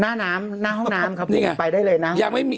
หน้าน้ำหน้าห้องน้ำครับพวกนี้ไปได้เลยนะ